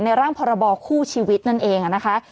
ร่างพรบคู่ชีวิตนั่นเองนะคะ